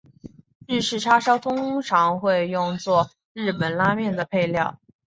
日式叉烧通常会用作日本拉面的配料。